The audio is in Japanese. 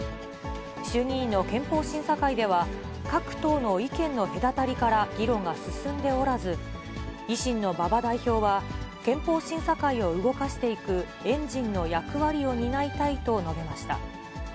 衆議院の憲法審査会では、各党の意見の隔たりから議論が進んでおらず、維新の馬場代表は、憲法審査会を動かしていくエンジンの役割を担いたいと述べました。